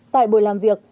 tại buổi làm việc